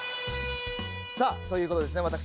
さあということでですね